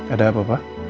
ada apa pak